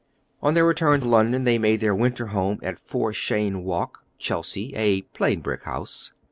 On their return to London, they made their winter home at 4 Cheyne Walk, Chelsea, a plain brick house.